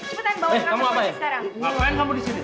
cepetan bawa dia ke ruang gue berdiri sekarang